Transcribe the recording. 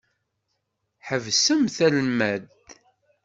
Ḥebsemt almad!